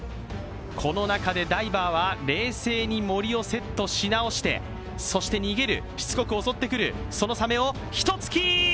この中でダイバーは冷静にモリをセットし直して、そして逃げる、しつこく襲ってくるそのサメを、ひと突き！